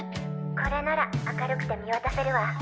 これなら明るくて見渡せるわ！